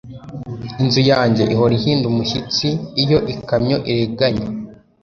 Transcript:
Inzu yanjye ihora ihinda umushyitsi iyo ikamyo irenganye.